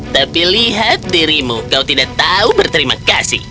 tapi lihat dirimu kau tidak tahu berterima kasih